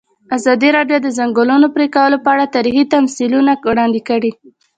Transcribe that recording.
ازادي راډیو د د ځنګلونو پرېکول په اړه تاریخي تمثیلونه وړاندې کړي.